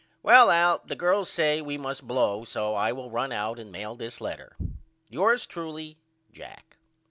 Well Al the girls says we must blow so I will run out and mail this letter. Yours truly, JACK.